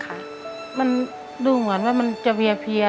คุณยายแดงคะทำไมต้องซื้อลำโพงและเครื่องเสียง